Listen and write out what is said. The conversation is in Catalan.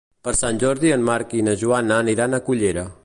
Per Sant Jordi en Marc i na Joana aniran a Cullera.